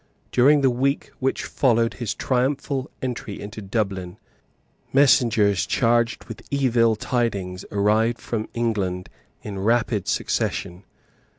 During the week which followed his triumphal entry into Dublin, messengers charged with evil tidings arrived from England in rapid succession.